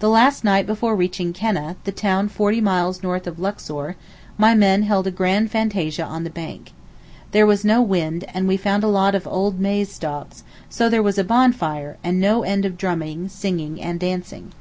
The last night before reaching Keneh, the town forty miles north of Luxor, my men held a grand fantasia on the bank. There was no wind, and we found a lot of old maize stalks; so there was a bonfire, and no end of drumming, singing and dancing.